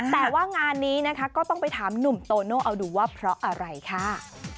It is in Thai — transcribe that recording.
แต่ว่างานนี้นะคะก็ต้องไปถามหนุ่มโตโน่เอาดูว่าเพราะอะไรค่ะ